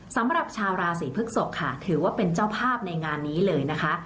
สำหรับชาวราศีพฤกษกค่ะถือว่าเป็นเจ้าภาพในงานนี้เลยนะคะ